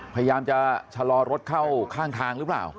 พยายามจะชะลอรถเข้าข้างทางหรือเปล่า